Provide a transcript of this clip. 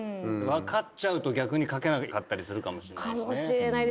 分かっちゃうと逆に書けなかったりするかもしんない。